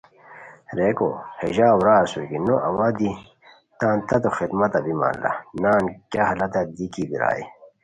ریکو ہے ژاؤ را اسورکی نو اوا دی تان تتو خدمتہ بیمان لا نان کیہ حالت دی کی بیرائے